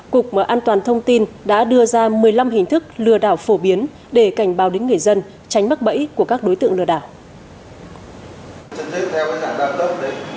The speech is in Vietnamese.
cục an toàn thông tin đã đưa ra một mươi năm hình thức lừa đảo phổ biến để cảnh báo đến người dân tránh mắc bẫy của các đối tượng lừa đảo